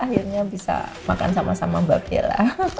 akhirnya bisa makan sama sama mbak bella